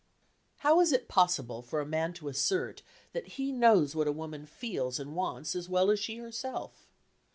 How is it possible for a man to assert that he knows what a woman feels and wants as well as she herself?